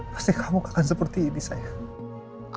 pasti kamu gak akan seperti ini sayang